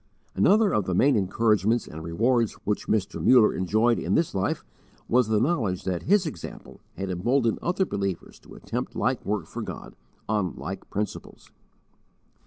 Another of the main encouragements and rewards which Mr. Muller enjoyed in this life was the knowledge that his example had emboldened other believers to attempt like work for God, on like principles.